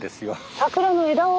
桜の枝を？